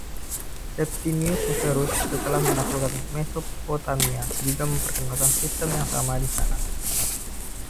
Septimius Severus, setelah menaklukkan Mesopotamia, juga memperkenalkan sistem yang sama di sana.